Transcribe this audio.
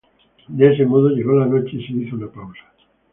De ese modo llegó la noche y se hizo una pausa.